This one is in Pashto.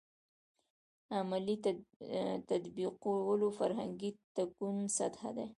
عملي تطبیقولو فرهنګي تکون سطح دی.